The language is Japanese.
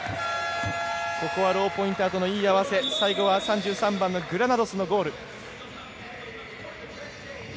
ここはローポインターでのいい合わせ、最後は３３番、グラナドスのゴール。